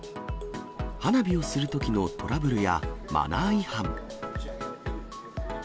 花火をするときのトラブルや、マナー違反。